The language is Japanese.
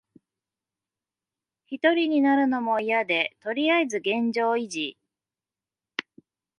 ひとりになるのもいやで、とりあえず現状維持。